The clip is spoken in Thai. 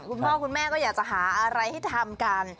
คุณพ่อคุณแม่ก็อยากจะหาอะไรให้ทำกัน